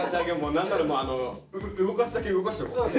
何なら動かすだけ動かしとこう。